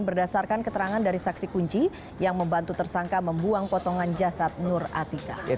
berdasarkan keterangan dari saksi kunci yang membantu tersangka membuang potongan jasad nur atika